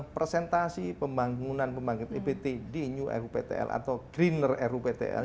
presentasi pembangunan pembangkit ipt di new ruiptl atau greener ruiptl